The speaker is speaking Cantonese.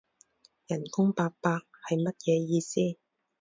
人工八百？係乜嘢意思？